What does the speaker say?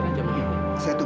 terima kasih pak taufan